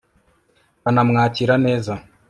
banamwakira neza